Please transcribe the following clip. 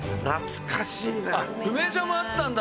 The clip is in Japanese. あっ梅ジャムあったんだ。